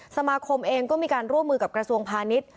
สมาคมเองก็มีการร่วมมือกับกระทรวงพาณิชย์